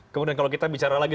kemudian kalau kita bicara lagi